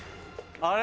あれ？